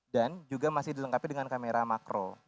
dan juga masih dilengkapi dengan kamera makro